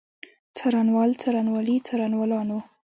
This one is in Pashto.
څارنوال، څارنوالي، څارنوالانو.